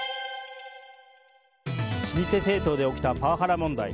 老舗政党で起きたパワハラ問題。